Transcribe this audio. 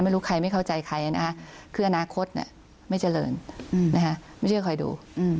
ไม่รู้ใครไม่เข้าใจใครนะคะคืออนาคตไม่เจริญไม่เชื่อคอยดู